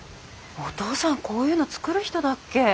お父さんこういうの作る人だっけ？